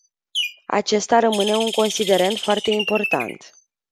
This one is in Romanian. Acesta rămâne un considerent foarte important.